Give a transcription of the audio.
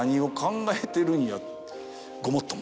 ごもっとも。